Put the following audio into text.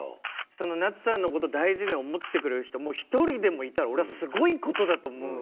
そのなつさんのこと大事に思ってくれる人１人でもいたら俺はすごいことだと思うから。